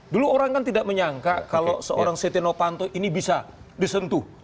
dulu orang kan tidak menyangka kalau seorang seti no panto ini bisa disentuh